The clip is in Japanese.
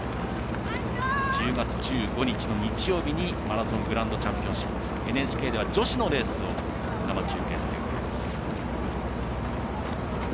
１０月１５日の日曜日にマラソングランドチャンピオンシップＮＨＫでは女子のレースを生中継する予定です。